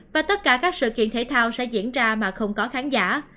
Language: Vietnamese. và tất cả các sự kiện thể thao sẽ diễn ra mà không có khán giả